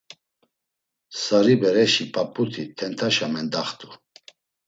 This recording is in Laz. Sari bereşi p̌ap̌uti tentaşa mendaxt̆u.